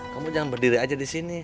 kamu jangan berdiri aja di sini